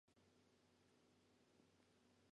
Nine tutors live with students in the dormitories.